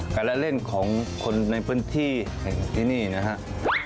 การละเล่นของคนในพื้นที่แห่งที่นี่นะครับ